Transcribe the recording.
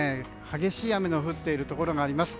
激しい雨が降っているところがあります。